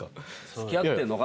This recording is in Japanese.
付き合ってんのか？